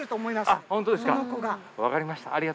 わかりました。